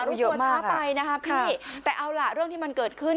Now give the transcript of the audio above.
รู้ตัวช้าไปนะครับพี่แต่เอาล่ะเรื่องที่มันเกิดขึ้น